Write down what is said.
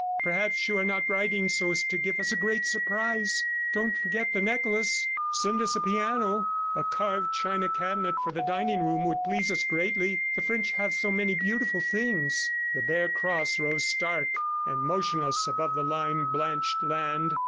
Perhaps you are not writing so as to give us a great surprise. Don't forget the necklace! Send us a piano. A carved china cabinet for the dining room would please us greatly. The French have so many beautiful things!" ... The bare cross rose stark and motionless above the lime blanched land.